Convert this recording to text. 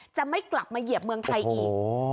จะไม่กลับมาเหยียบเมืองไทยอีก